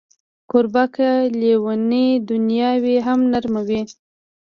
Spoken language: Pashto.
کوربه که لېونۍ دنیا وي، هم نرم وي.